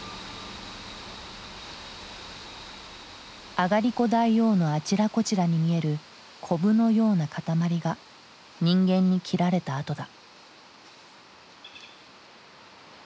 あがりこ大王のあちらこちらに見えるコブのような塊が人間に切られた跡だ。